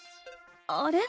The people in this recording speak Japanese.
あれ？